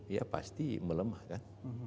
ya pasti melemah kan